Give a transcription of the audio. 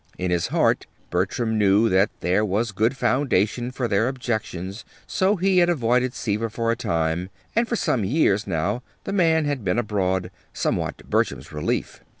In his heart, Bertram knew that there was good foundation for their objections, so he had avoided Seaver for a time; and for some years, now, the man had been abroad, somewhat to Bertram's relief.